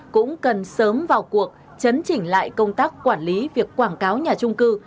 cũng cần sớm vào cuộc chấn chỉnh lại công tác quản lý việc quảng cáo nhà trung cư